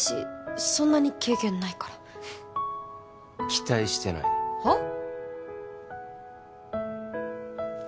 そんなに経験ないから期待してないはっ？